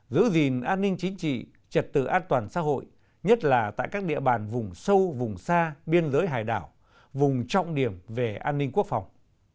giữ gìn an ninh chính trị trật tự an toàn xã hội nhất là tại các địa bàn vùng sâu vùng xa biên giới hải đảo vùng trọng điểm về an ninh quốc phòng